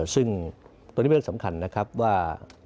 ซึ่งตรงนี้เป็นเรื่องสำคัญนะครับว่า